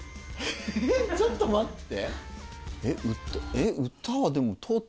えっちょっと待って。